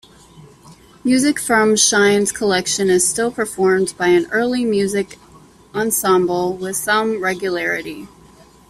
Music from Schein's collection is still performed by early music ensembles with some regularity.